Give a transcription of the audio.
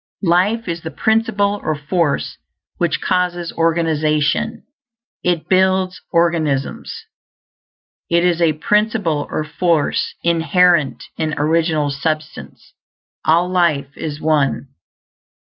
Life is the principle or force which causes organization; it builds organisms. It is a principle or force inherent in Original Substance; all life is One.